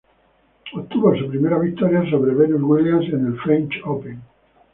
Obtuvo su primera victoria sobre Venus Williams en el French Open.